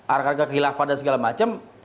arahkan ke kilafah dan segala macam